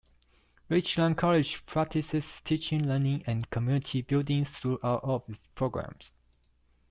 Richland College practices teaching, learning and community building throughout all of its programs.